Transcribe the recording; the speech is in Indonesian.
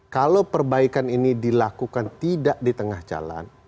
kalau perbaikan ini dilakukan tidak di tengah jalan